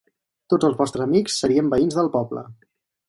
Tots els vostres amics serien veïns del poble.